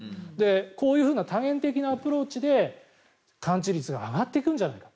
こういう多元的なアプローチで完治率が上がっていくんじゃないかと。